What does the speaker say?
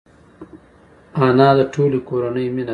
انا د ټولې کورنۍ مینه ده